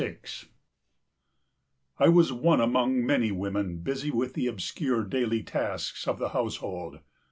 56 I was one among many women busy with the obscure daily tasks of the household.